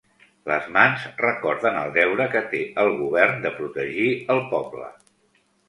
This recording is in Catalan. Les mans recorden el deure que té el govern de protegir el poble.